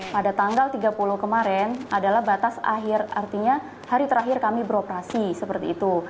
pada tanggal tiga puluh kemarin adalah batas akhir artinya hari terakhir kami beroperasi seperti itu